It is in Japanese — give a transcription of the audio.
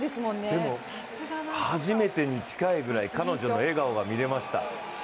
でも、初めてに近いぐらい、彼女の笑顔が見られました。